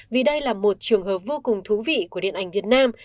vì đây là một trường hợp vô cùng thú vị của điện ảnh việt nam